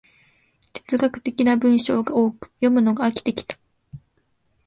哲学的な文章が多く、読むのが飽きてきた